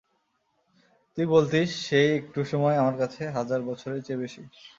তুই বলতিস, সেই একটু সময় আমার কাছে হাজার বছরের চেয়ে বেশি।